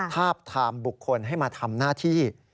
ทาบทามบุคคลให้มาทำหน้าที่